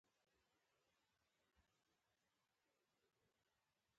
او تر څنګ يې له جومات څخه چارپايي هم راوړى .